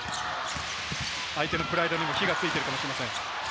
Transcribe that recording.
相手のプライドにも火がついてるかもしれません。